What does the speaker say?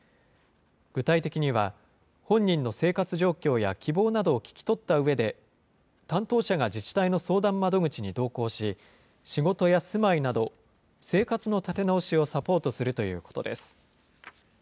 具体的には、本人の生活状況や希望などを聞き取ったうえで、担当者が自治体の相談窓口に同行し、仕事や住まいなど、生活の立て直しをサポートするということです。